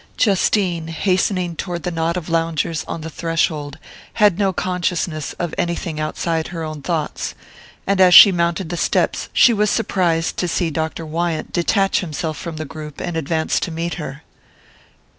Justine, hastening toward the knot of loungers on the threshold, had no consciousness of anything outside of her own thoughts; and as she mounted the steps she was surprised to see Dr. Wyant detach himself from the group and advance to meet her.